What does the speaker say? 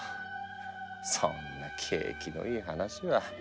そんなケイキのいい話は。